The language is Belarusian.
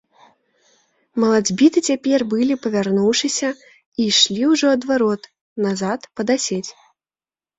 Малацьбіты цяпер былі павярнуўшыся і ішлі ўжо ад варот, назад пад асець.